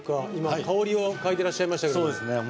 香りを嗅いでいらっしゃいましたが。